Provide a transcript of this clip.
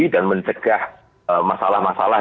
dan mencegah masalah masalah